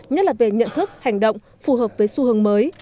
nhất là về nhận thức hành động phù hợp với xu hướng mới